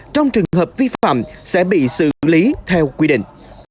trong trường hợp vi phạm sẽ bị xử lý theo quy định